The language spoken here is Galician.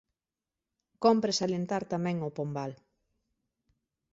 Cómpre salientar tamén o pombal.